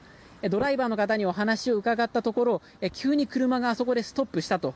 ドライバーの方にお話を伺ったところ急に車があそこでストップしたと。